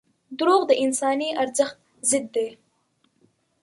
• دروغ د انساني ارزښت ضد دي.